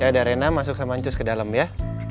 ya ada rena masuk sama ancus ke dalam ya